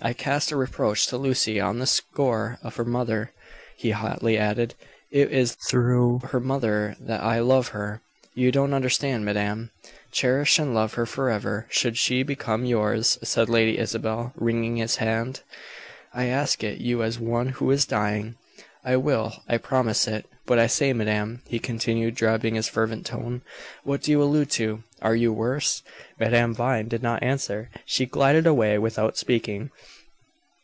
I cast a reproach to Lucy on the score of her mother!" he hotly added. "It is through her mother that I love her. You don't understand, madame." "Cherish and love her forever, should she become yours," said Lady Isabel, wringing his hand. "I ask it you as one who is dying." "I will I promise it. But I say, madame," he continued, dropping his fervent tone, "what do you allude to? Are you worse?" Madame Vine did not answer. She glided away without speaking.